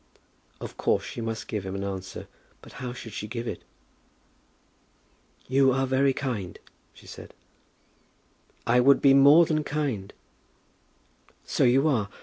Of course she must give him an answer, but how should she give it? "You are very kind," she said. "I would be more than kind." "So you are.